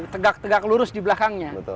tegak lurus di belakangnya